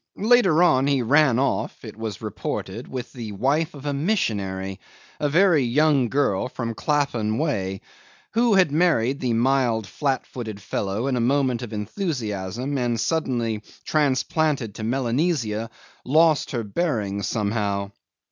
Later on he ran off it was reported with the wife of a missionary, a very young girl from Clapham way, who had married the mild, flat footed fellow in a moment of enthusiasm, and, suddenly transplanted to Melanesia, lost her bearings somehow.